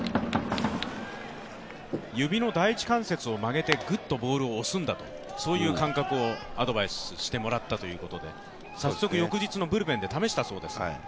指の第１関節を曲げて、グッとボールを押すんだと、そういう感覚をアドバイスしてもらったということで早速、翌日のブルペンで試したそうです。